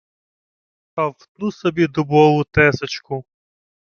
Та втну собі дубову тесочку